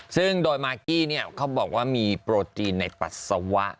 ซึ่งโดยมากกี้เขาบอกว่ามีโปรตีนในปัสสาวะ